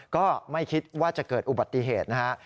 ก็ไม่คิดว่าจะเกิดอุบัติเหตุนะฮะ